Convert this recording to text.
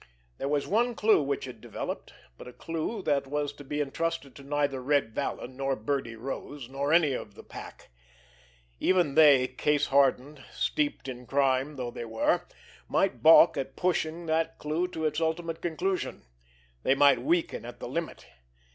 There was one clue which had developed, but a clue that was to be entrusted to neither Red Vallon, nor Birdie Rose, nor any of the pack. Even they, case hardened, steeped in crime though they were, might balk at pushing that clue to its ultimate conclusion. They might weaken at the limit!